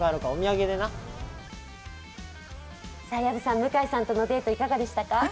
薮さん、向井さんとのデートいかがでしたか？